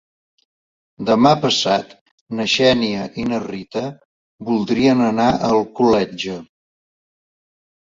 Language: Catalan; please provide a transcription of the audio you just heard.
Demà passat na Xènia i na Rita voldrien anar a Alcoletge.